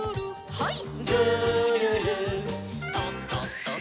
はい。